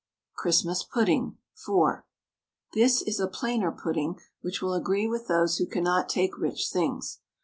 CHRISTMAS PUDDING (4). This is a plainer pudding, which will agree with those who cannot take rich things.